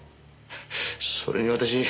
それに私